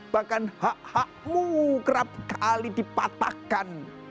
bahkan hak hakmu kerap kali dipatahkan